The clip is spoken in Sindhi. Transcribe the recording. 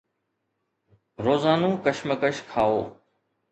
روزانو ڪشمش کائو